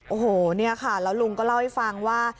โอ้โหแล้วลุงก็เล่าให้ฟังว่า